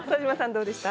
どうでした？